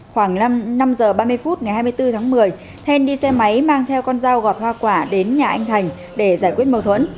khoảng năm h ba mươi phút ngày hai mươi bốn tháng một mươi then đi xe máy mang theo con dao gọt hoa quả đến nhà anh thành để giải quyết mâu thuẫn